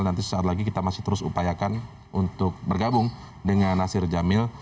nanti sesaat lagi kita masih terus upayakan untuk bergabung dengan nasir jamil